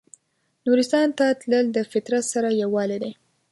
نورستان ته تلل د فطرت سره یووالی دی.